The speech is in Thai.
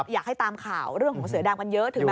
อยากให้ตามข่าวเรื่องของเสือดำกันเยอะถึงไหม